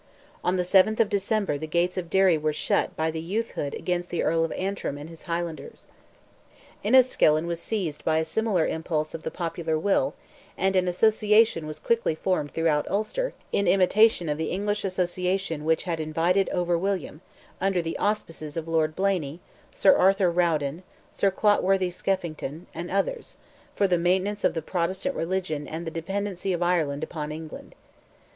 On the 7th of December the gates of Derry were shut by "the youthhood" against the Earl of Antrim and his Highlanders. Enniskillen was seized by a similar impulse of the popular will, and an association was quickly formed throughout Ulster in imitation of the English association which had invited over William, under the auspices of Lord Blaney, Sir Arthur Rawdon, Sir Clotworthy Skeffington, and others, "for the maintenance of the Protestant religion and the dependency of Ireland upon England."